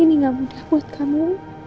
ini gak mudah buat kamu